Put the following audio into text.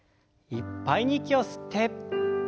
いっぱいに息を吸って。